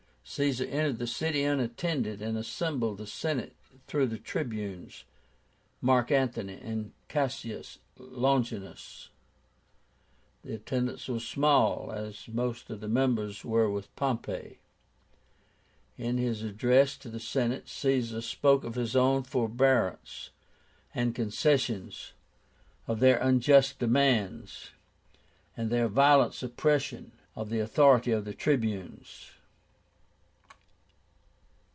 Caesar entered the city unattended, and assembled the Senate through the Tribunes, Mark Antony and Cassius Longínus. The attendance was small, as most of the members were with Pompey. In his address to the Senate Caesar spoke of his own forbearance and concessions, of their unjust demands, and their violent suppression of the authority of the Tribunes.